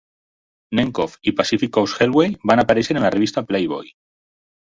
Nemcoff i Pacific Coast Hellway van aparèixer en la revista "Playboy".